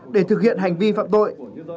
để thực hiện hành vi phạm tội